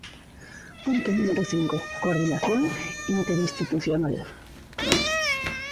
Punto número cinco: coordinación interinstitucional.